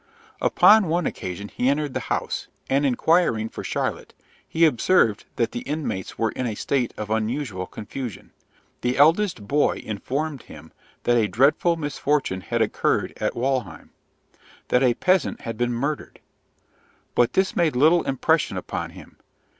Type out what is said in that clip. Upon one occasion he entered the house; and, inquiring for Charlotte, he observed that the inmates were in a state of unusual confusion. The eldest boy informed him that a dreadful misfortune had occurred at Walheim, that a peasant had been murdered! But this made little impression upon him.